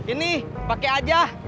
ini pake aja